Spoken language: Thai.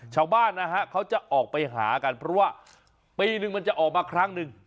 ชาวบ้านนะฮะเขาจะออกไปหากันเพราะว่าปีนึงมันจะออกมาครั้งหนึ่ง